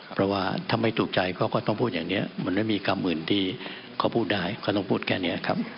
เพราะว่าถ้าไม่ถูกใจเขาก็ต้องพูดอย่างนี้มันไม่มีกรรมอื่นที่เขาพูดได้เขาต้องพูดแค่นี้ครับ